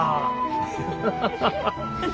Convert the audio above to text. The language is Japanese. ハハハハハ。